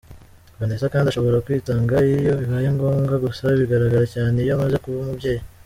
Vanessa kandi ashobora kwitanga iyo bibaye ngombwa gusa bigaragara cyane iyo amaze kuba umubyeyi.